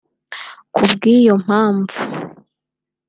Ku bw’iyo mpamvu